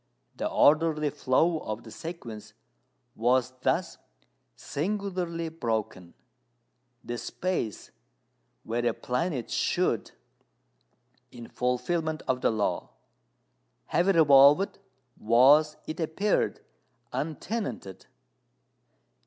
The orderly flow of the sequence was thus singularly broken. The space where a planet should in fulfilment of the "Law" have revolved, was, it appeared, untenanted.